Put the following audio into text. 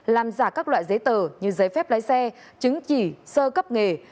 làm giả các loại giấy tờ như giấy phép lái xe chứng chỉ sơ cấp nghề